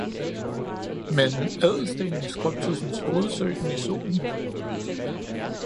Men ædelstenen i skrubtudsens hovedsøg den i solen